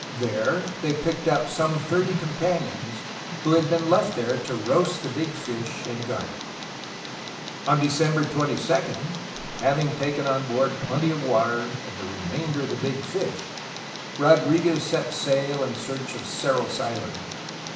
There they picked up some thirty com panions who had been left there to roast the big fish and guard it. On December 22, having taken on board plenty of water and the remainder of the big fish, Rodriguez set sail in search of Cerros Island.